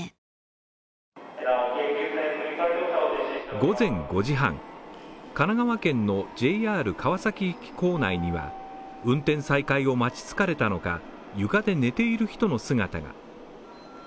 午前５時半神奈川県のＪＲ川崎駅構内には運転再開を待ち疲れたのか、床で寝ている人の姿が。